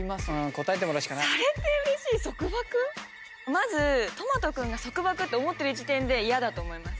まずとまと君が束縛と思ってる時点で嫌だと思います。